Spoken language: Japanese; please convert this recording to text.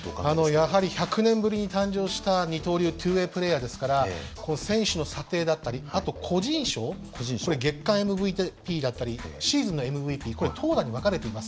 やはり１００年ぶりに誕生した二刀流トゥウエープレーヤーですから選手の査定だったりあと個人賞これ月間ＭＶＰだったりシーズンのＭＶＰこれ投打に分かれています。